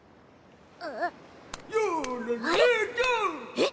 えっ？